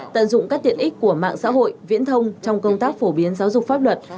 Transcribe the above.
tận dụng các tiện ích của mạng xã hội viễn thông trong công tác phổ biến giáo dục pháp luật